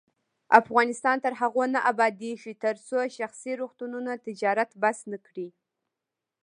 افغانستان تر هغو نه ابادیږي، ترڅو شخصي روغتونونه تجارت بس نکړي.